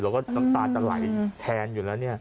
เราก็ต้องตามจะไหลแทนอยู่แล้วนี่